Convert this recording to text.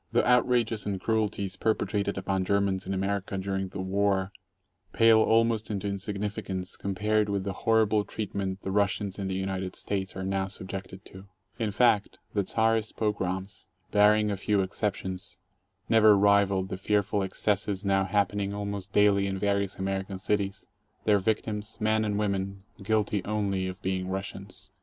The outrages and cruelties perpetrated upon Germans in America during the war pale almost into insignificance compared with the horrible treat ment the Russians in the United States are now subjected to. In fact, the Czarist pogroms, barring a few exceptions, never rivaled the fearful excesses now happening almost daily in various Amer ican cities, their victims, men and women, guilty only of being Russians.